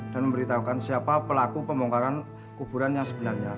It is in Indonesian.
dan memberitahukan siapa pelaku pembongkaran kuburannya sebenarnya